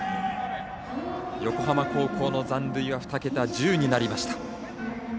横浜高校の残塁は二桁、１０になりました。